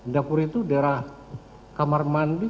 dapur itu daerah kamar mandi